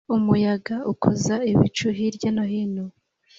umuyaga ukoza ibicu hirya no hino